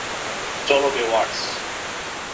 চলো, বেওয়্যার্স!